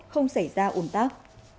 không xảy ra ủn tắc